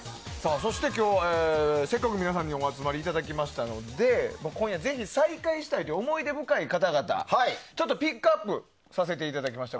そして今日はせっかく皆さんにお集まりいただきましたので今夜ぜひ再会したい思い出深い方々をちょっとピックアップさせていただきました。